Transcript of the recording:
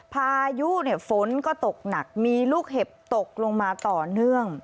พายุฝนก็ตกหนักมีลูกเห็บตกลงมาต่อเนื่อง